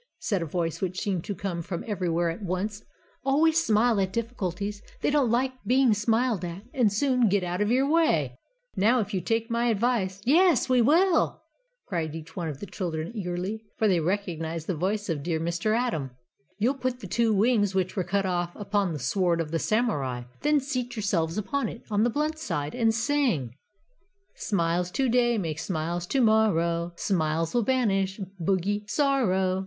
said a voice which seemed to come from everywhere at once, "always smile at difficulties; they don't like being smiled at, and soon get out of your way. Now, if you take my advice " "Yes, we will!" cried each of the children eagerly, for they recognised the voice of dear Mr. Atom. "You'll put the two wings which were cut off upon the sword of the Samurai, then seat yourselves upon it on the blunt side and sing: "Smiles to day Make smiles to morrow; Smiles will banish Bogey Sorrow.